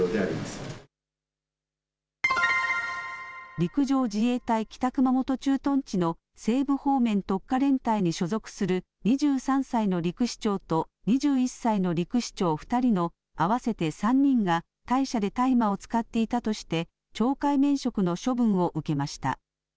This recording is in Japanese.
陸上自衛隊北熊本駐屯地の西部方面特科連隊に所属する２３歳の陸士長と２１歳の陸士長の２人の合わせて３人が隊舎で大麻を使っていたとして懲戒免職の処分を受けました。